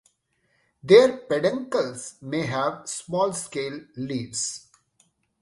Their peduncles may have small scale leaves.